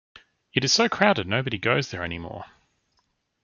It's so crowded nobody goes there anymore.